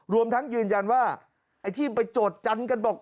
รวมทั้งยืนยันว่าไอ้ที่ไปโจทยันกันบอก